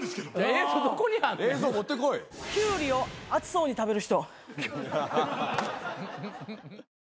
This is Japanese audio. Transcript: キュウリを熱そうに食べる人。